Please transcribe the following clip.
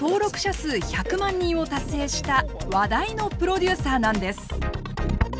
数１００万人を達成した話題のプロデューサーなんです！